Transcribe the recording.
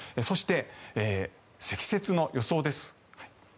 そして、積雪の予想です。